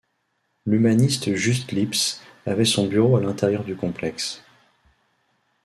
L'humaniste Juste Lipse avait son bureau à l'intérieur du complexe.